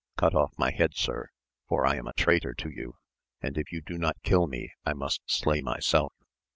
Cut off my head sir, for I am a traitor to you ; and if you do not kill me I must slay myself.